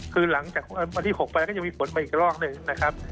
คือหลังจากอาทิตย์๖ไปแล้วก็ยังมีฝนมาอีกรอบหนึ่งนะครับ